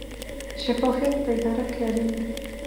شفافیت په اداره کې اړین دی